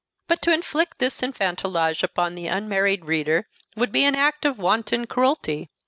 But to inflict this enfantillage upon the unmarried reader would be an act of wanton cruelty.